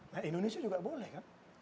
nah indonesia juga boleh kan